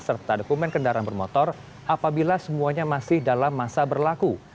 serta dokumen kendaraan bermotor apabila semuanya masih dalam masa berlaku